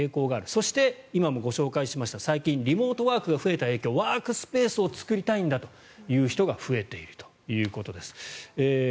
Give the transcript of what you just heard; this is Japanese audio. そして、今もご紹介しました最近はリモートワークが増えた影響でワークスペースを作りたいんだという人が増えているということです。